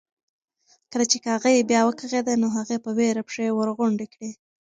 کله چې کاغۍ بیا وکغېده نو هغې په وېره پښې ورغونډې کړې.